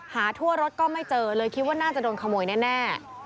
ทั่วรถก็ไม่เจอเลยคิดว่าน่าจะโดนขโมยแน่